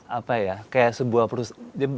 seperti sebuah perusahaan